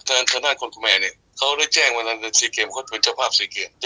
อ่าทุกที่เขามีมวยหมด